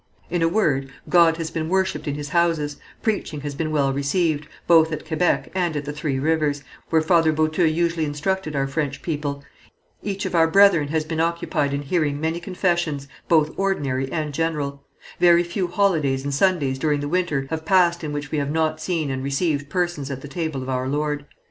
"In a word, God has been worshipped in His houses, preaching has been well received, both at Kébec and at the Three Rivers, where Father Buteux usually instructed our French people; each of our brethren has been occupied in hearing many confessions, both ordinary and general; very few holidays and Sundays during the winter have passed in which we have not seen and received persons at the table of our Lord.